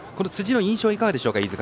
辻の印象はいかがでしょうか？